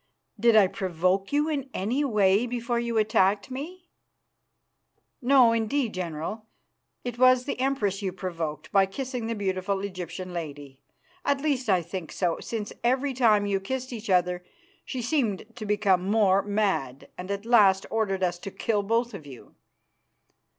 "Did I provoke you in any way before you attacked me?" "No, indeed, General. It was the Empress you provoked by kissing the beautiful Egyptian lady. At least, I think so, since every time you kissed each other she seemed to become more mad, and at last ordered us to kill both of you."